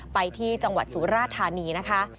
ไปที่จังหวัดสุราธานีนะคะ